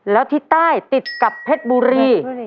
แล้วที่ใต้ติดกับเพชรบุรี